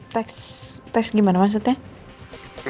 tes tes gimana maksudnya